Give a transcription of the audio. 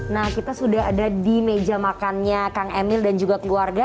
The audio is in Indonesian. nah kita sudah ada di meja makannya kang emil dan juga keluarga